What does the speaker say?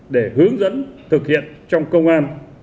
để hướng dẫn thực hiện trong công an